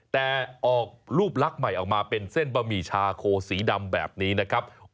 แต่ออกรูปลักษณ์ใหม่ออกมาเป็นเส้นบะหมี่ชาโคสีดำแบบนี้นะครับ